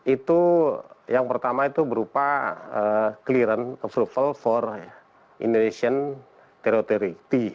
itu yang pertama itu berupa clearance of survival for indonesian territory